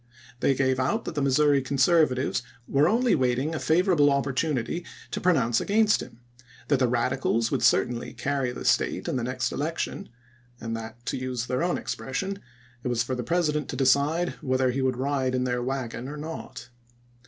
They gave out that the Missouri Conservatives were only waiting a favorable opportunity to pro nounce against him ; that the Radicals would cer tainly carry the State in the next election; and that, to use theu* own expression, it was for the President to decide "whether he would ride in Diary. MS. their wagou or not."